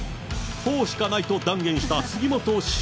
フォーしかないと断言した杉本師匠。